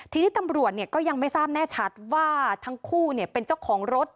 ทีนี้ตำรวจก็ยังไม่ทราบแน่ชัดว่าทั้งคู่เป็นเจ้าของรถ